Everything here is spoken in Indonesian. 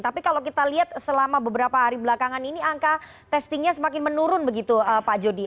tapi kalau kita lihat selama beberapa hari belakangan ini angka testingnya semakin menurun begitu pak jody